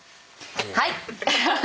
はい。